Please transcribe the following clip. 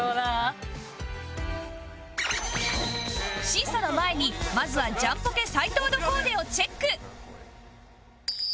審査の前にまずはジャンポケ斉藤のコーデをチェック